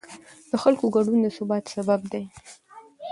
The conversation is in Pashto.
د خلکو ګډون د ثبات سبب دی